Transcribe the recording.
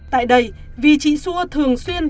tại đây vì chị xua thường xuyên